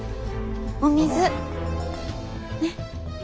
お水ねっ。